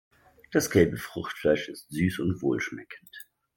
Das gelbe Fruchtfleisch ist süß und wohlschmeckend.